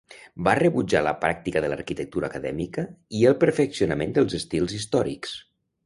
Van rebutjar la pràctica de l'arquitectura acadèmica i el perfeccionament dels estils històrics.